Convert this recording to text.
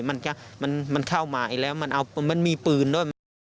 มันเข้ามาอีกแล้วมันมีปืนด้วย